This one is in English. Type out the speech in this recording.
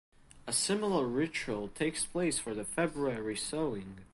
A similar ritual takes place for the February sowing.